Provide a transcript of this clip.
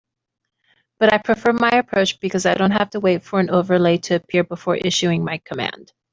But I prefer my approach because I don't have to wait for an overlay to appear before issuing my command.